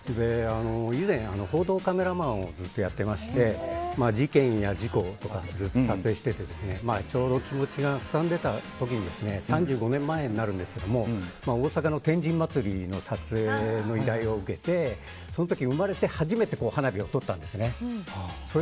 以前、報道カメラマンをずっとやっていまして事件や事故とかずっと撮影していてちょうど気持ちが荒んでいた時に３５年前になるんですけど大阪の天神祭の撮影の依頼を受けてその時、生まれて初めて花火を撮ったんですね。